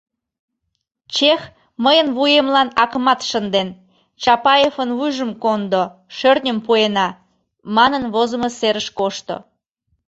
Чех мыйын вуемлан акымат шынден: Чапаевын вуйжым кондо, шӧртньым пуэна, — манын возымо серыш кошто...